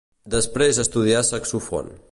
Després estudià saxòfon.